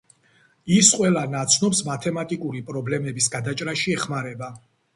ის ყველა ნაცნობს მათემატიკური პრობლემების გადაჭრაში ეხმარება.